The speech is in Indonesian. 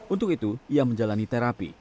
untuk itu ia menjalani terapi